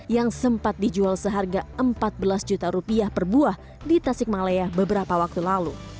yang sempat dijual seharga empat belas juta rupiah per buah di tasikmalaya beberapa waktu lalu